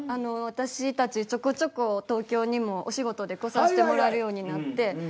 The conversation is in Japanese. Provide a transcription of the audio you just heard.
私たちちょこちょこ東京にもお仕事で来させてもらえるようになって。